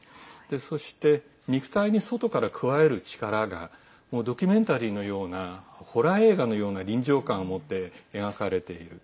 そして肉体に外から加える力がドキュメンタリーのようなホラー映画のような臨場感をもって描かれている。